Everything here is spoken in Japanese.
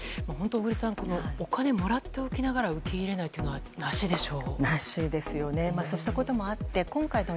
小栗さんお金もらっておきながら受け入れないというのはなしでしょう。